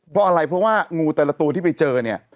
เพราะอะไรเพราะว่างูแต่ละตัวที่ไปเจอเนี่ย